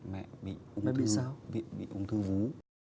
mẹ bị ung thư vú